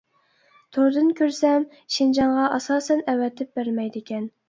توردىن كۆرسەم شىنجاڭغا ئاساسەن ئەۋەتىپ بەرمەيدىكەن.